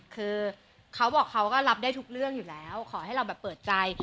คือเขาบอกเขาก็รับได้ทุกเรื่องอยู่แล้วขอให้เราแบบเปิดใจ